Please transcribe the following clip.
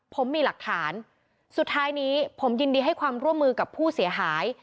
ผมมีหลักฐานสุดท้ายนี้ผมยินดีให้ความร่วมมือกับผู้เสียหาย